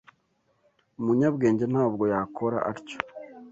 Umunyabwenge ntabwo yakora atyo.